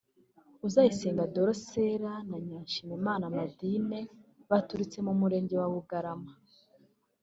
Uzayisenga Dorcella na Nyiranshimiyimana Madine baturutse mu murenge wa Bugarama